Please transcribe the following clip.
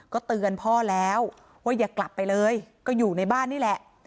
ก็เตือนพ่อแล้วว่าอย่ากลับไปเลยก็อยู่ในบ้านนี่แหละ